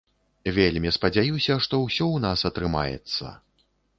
Вельмі спадзяюся, што ўсё ў нас атрымаецца.